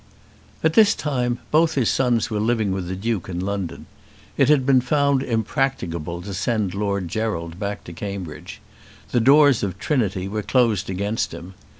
At this time both his sons were living with the Duke in London. It had been found impracticable to send Lord Gerald back to Cambridge. The doors of Trinity were closed against him.